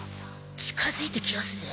近づいてきますぜ。